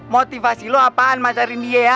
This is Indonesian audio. motivasi lo apaan materi dia ya